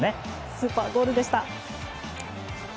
スーパーゴールでした。